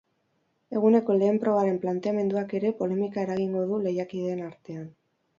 Eguneko lehen probaren planteamenduak ere polemika eragingo du lehiakideen artean.